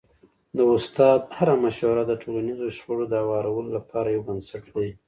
د استاد هره مشوره د ټولنیزو شخړو د هوارولو لپاره یو بنسټ دی.